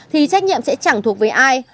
thì trách nhiệm sẽ chẳng thuộc về ai